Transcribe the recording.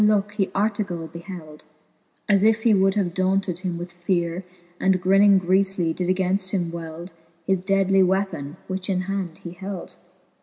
looke he Artegall beheld, As if he would have daunted him with feare, And grinning griefly, did againft him weld His deadly weapon, which in hand he held.